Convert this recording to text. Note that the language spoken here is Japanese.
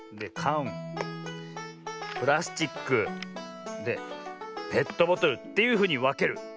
かんプラスチックペットボトルっていうふうにわける。